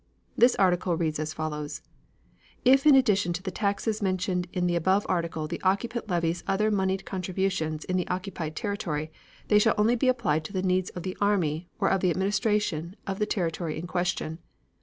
This article reads as follows: "If in addition to the taxes mentioned in the above article the occupant levies other moneyed contributions in the occupied territory, they shall only be applied to the needs of the army, or of the administration, of the territory in question."